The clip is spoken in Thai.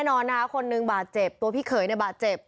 แน่นอนนะครับคนหนึ่งบาดเจ็บในการมีการ